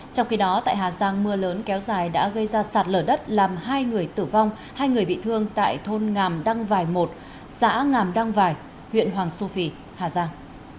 trong khi đó tại hà giang mưa lớn kéo dài đã gây ra sạt lở đất làm hai người tử vong hai người bị thương tại thôn ngàm đăng vài một xã ngàm đăng vài huyện hoàng su phi hà giang